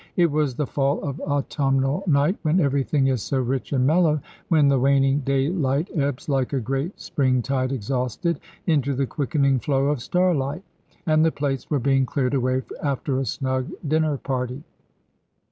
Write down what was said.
It was the fall of autumnal night, when everything is so rich and mellow, when the waning daylight ebbs, like a great spring tide exhausted, into the quickening flow of starlight. And the plates were being cleared away after a snug dinner party.